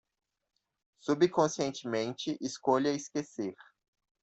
Subconscientemente escolha esquecer